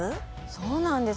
そうなんです。